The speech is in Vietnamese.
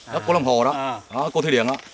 đất của lâm hồ đó cô thư điện đó